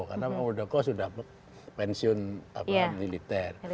karena pak muldoko sudah pensiun militer